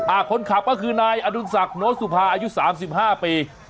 อ่าคนขับก็คือนายอดุษักโนสุภาอายุ๓๕ปี